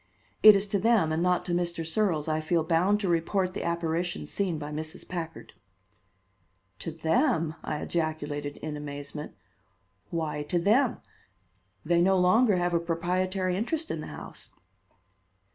It is to them and not to Mr. Searles I feel bound to report the apparition seen by Mrs. Packard." "To them!" I ejaculated in amazement. "Why to them? They no longer have a proprietary interest in the house."